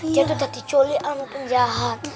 dia tuh udah diculik alam penjahat